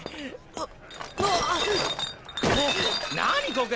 あっ？